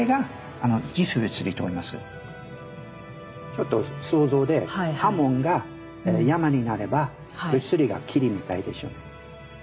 ちょっと想像で刃文が山になれば映りが霧みたいでしょ。